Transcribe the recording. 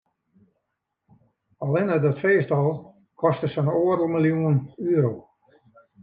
Allinne dat feest al koste sa'n oardel miljoen euro.